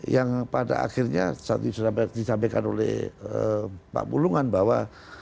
yang pada akhirnya sudah disampaikan oleh pak pulungan bahwa